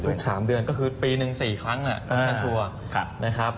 อีก๓เดือนก็คือปีหนึ่ง๔ครั้งตัวนะครับ